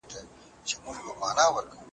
پېریانو ته کوه قاف څشي دی؟